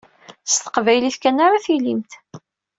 S teqbaylit kan ara tilimt.